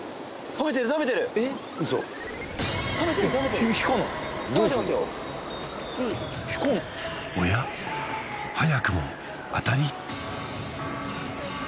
ウソおや早くも当たり？